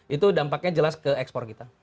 itu dampaknya jelas ke ekspor kita